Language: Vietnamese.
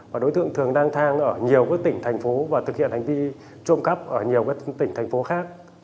và đối tượng thường đang thang ở nhiều tỉnh thành phố và thực hiện hành vi trộm cắp ở nhiều tỉnh thành phố khác